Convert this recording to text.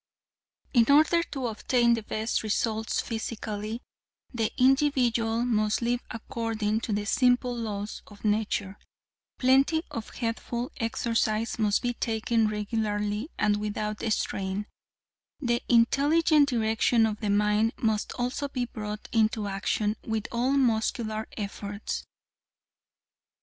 "In order to obtain the best results physically, the individual must live according to the simple laws of nature. Plenty of good healthful exercise must be taken regularly and without strain. The intelligent direction of the mind must also be brought into action with all muscular efforts.